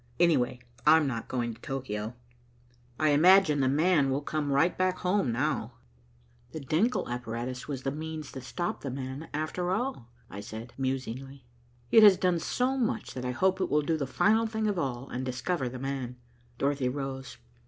Anyway, I'm not going to Tokio. I imagine 'the man' will come right back home now." "The Denckel apparatus was the means that stopped 'the man,' after all," I said musingly. "It has done so much, that I hope it will do the final thing of all, and discover 'the man.'" Dorothy rose.